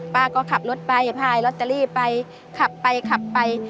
ป้าก็ขับรถไปพายลอตเตอรี่ไปขับไปขับไป